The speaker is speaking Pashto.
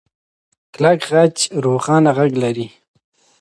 کلک خج روښانه غږ لري.